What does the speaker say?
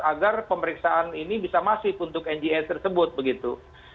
agar pemeriksaan ini bisa masif untuk ngs tersebut begitu